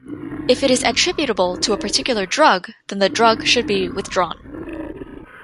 If it is attributable to a particular drug then the drug should be withdrawn.